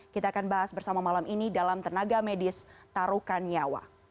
kita akan bahas bersama malam ini dalam tenaga medis tarukan nyawa